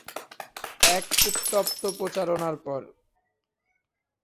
এক উত্তপ্ত প্রচারণার পর।